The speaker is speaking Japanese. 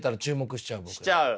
しちゃう？